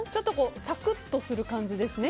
サクッとする感じですね